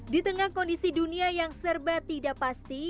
di tengah kondisi dunia yang serba tidak pasti